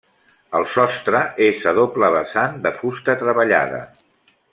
El sostre és a doble vessant de fusta treballada.